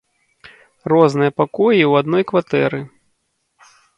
Розныя пакоі ў адной кватэры.